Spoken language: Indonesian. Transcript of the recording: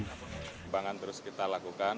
kebanggan terus kita lakukan